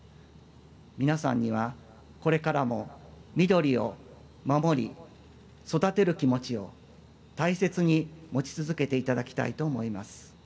皆さんには、これからも緑を守り、育てる気持ちを大切に持ち続けていただきたいと思います。